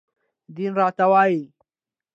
دين راته وايي